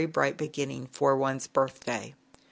bright beginning for one's birthday.